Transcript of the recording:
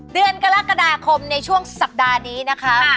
เดือนกรกฎาคมในช่วงสัปดาห์นี้นะคะ